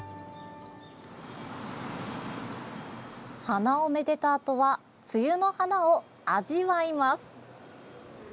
花をめでたあとは梅雨の花を味わいます。